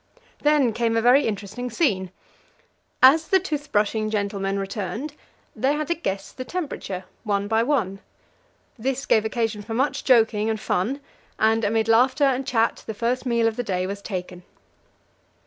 Then came a very interesting scene. As the tooth brushing gentlemen returned, they had to guess the temperature, one by one. This gave occasion for much joking and fun, and, amid laughter and chat, the first meal of the day was taken.